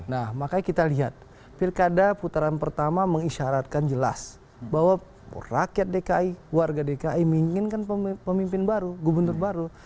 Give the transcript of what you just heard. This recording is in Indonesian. nah makanya kita lihat pilkada putaran pertama mengisyaratkan jelas bahwa rakyat dki warga dki menginginkan pemimpin baru gubernur baru